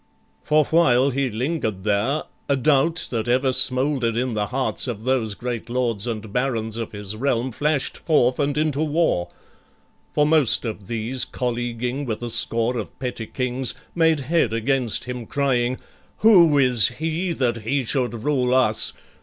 For while he lingered there, A doubt that ever smoulder'd in the hearts Of those great Lords and Barons of his realm Flash'd forth and into war: for most of these, Colleaguing with a score of petty kings, Made head against him, crying, "Who is he That he should rule us?